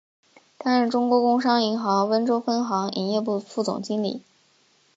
担任中国工商银行温州分行营业部副总经理。